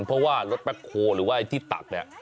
เพราะว่ารถแบ็คโฮหรือว่าไอ้ที่ตักเนี่ย